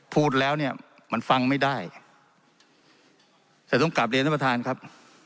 พูดแล้วเนี่ยมันฟังไม่ได้แต่ต้องกลับเรียนท่านประธานครับ